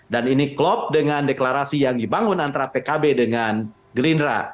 dan ini klop dengan deklarasi yang dibangun antara pkb dengan gelindra